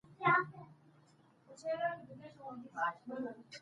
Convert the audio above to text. اقتصاد د ټولني د مادي ژوند اړخونه څېړي.